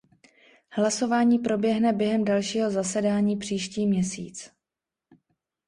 Hlasování proběhne během dalšího zasedání příští měsíc.